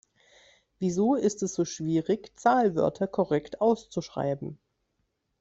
Wieso ist es so schwierig, Zahlwörter korrekt auszuschreiben?